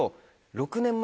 ６年前？